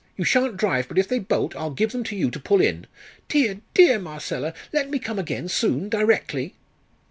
You shan't drive, but if they bolt, I'll give them to you to pull in. Dear, dear Marcella, let me come again soon directly!"